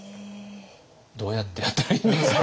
どうやってやったらいいんですか？